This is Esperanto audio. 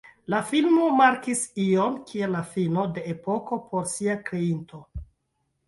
La filmo markis ion kiel la fino de epoko por sia kreinto.